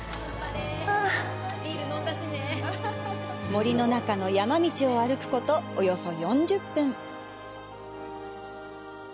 森の中の山道を歩くことおよそ４０分。